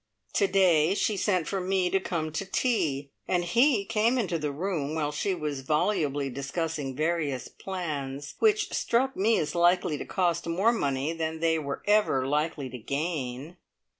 To day she sent for me to come to tea, and he came into the room while she was volubly discussing various plans, which struck me as likely to cost more money than they were ever likely to gain.